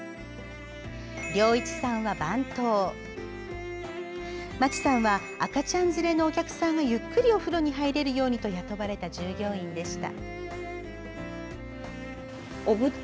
亮一さんは番頭町さんは赤ちゃん連れのお客さんがゆっくりお風呂に入れるようにと雇われた従業員でした。